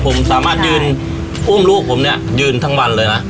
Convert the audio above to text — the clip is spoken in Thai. ผมสามารถยืนอุ้มลูกผมเนี่ยยืนทั้งวันเลยนะ